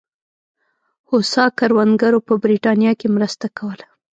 هوسا کروندګرو په برېټانیا کې مرسته کوله.